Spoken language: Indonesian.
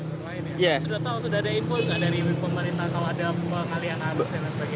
sudah tahu sudah ada info nggak dari pemerintah kalau ada pengalian atau sebagainya